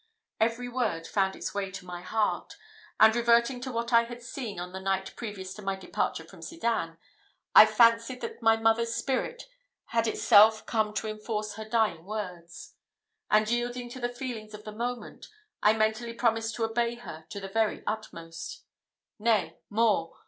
Every word found its way to my heart; and reverting to what I had seen on the night previous to my departure from Sedan, I fancied that my mother's spirit had itself come to enforce her dying words; and, yielding to the feelings of the moment, I mentally promised to obey her to the very utmost. Nay, more!